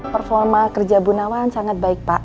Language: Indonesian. performa kerja ibu nawang sangat baik pak